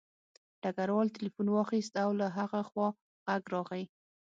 ډګروال تیلیفون واخیست او له هغه خوا غږ راغی